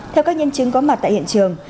theo các nhân chứng có mặt tại hiện trường